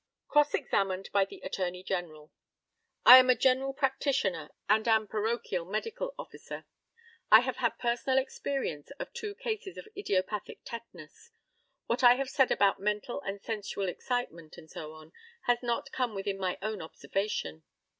Cross examined by the ATTORNEY GENERAL: I am a general practitioner, and am parochial medical officer. I have had personal experience of two cases of idiopathic tetanus. What I have said about mental and sensual excitement, and so on, has not come within my own observation.